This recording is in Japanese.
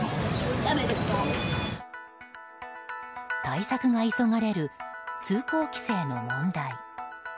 対策が急がれる通行規制の問題。